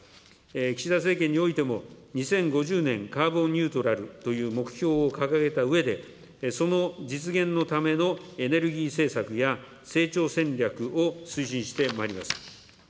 岸田政権においても、２０５０年、カーボンニュートラルという目標を掲げたうえで、その実現のためのエネルギー政策や成長戦略を推進してまいります。